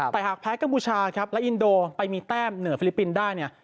แต่หากแพ้กัมพูชาครับและอินโดไปมีแต้มเหนือฟิลิปปินส์ได้เนี่ย